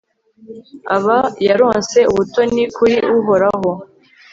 aba yaronse ubutoni kuri uhoraho